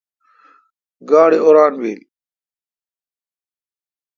گاڑی اوران بیل۔